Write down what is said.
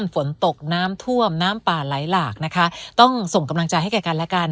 ฝนตกน้ำท่วมน้ำป่าไหลหลากนะคะต้องส่งกำลังใจให้แก่กันและกัน